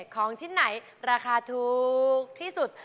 ของชิ้นไหนราคาถูกที่สุด